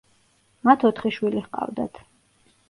მათ ოთხი შვილი ჰყავდათ.